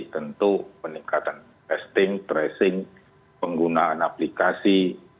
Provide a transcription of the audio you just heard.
tentu peningkatan testing tracing penggunaan aplikasi